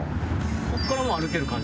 ここからもう歩ける感じ。